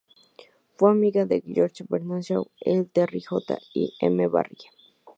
Fue amiga de George Bernard Shaw, Ellen Terry y J. M. Barrie.